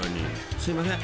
［すいません。